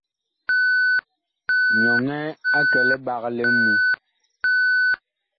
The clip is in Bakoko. Nyɔnɛ a kɛ liɓag li ŋmu.